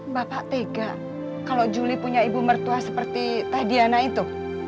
bapak tega kalau juli punya ibu mertua seperti tah diana itu